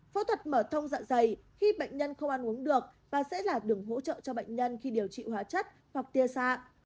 phẫu thuật mở thông dạ dày khi bệnh nhân không ăn uống được và sẽ là đường hỗ trợ cho bệnh nhân khi điều trị hóa chất hoặc tia xạ